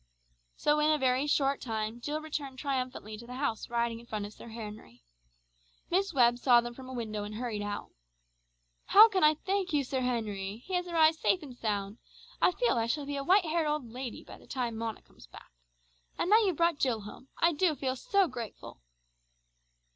So in a very short time Jill returned triumphantly to the house riding in front of Sir Henry. Miss Webb saw them from a window and hurried out. "How can I thank you, Sir Henry? He has arrived safe and sound. I feel I shall be a white haired old lady by the time Mona comes back. And now you've brought Jill home. I do feel so grateful."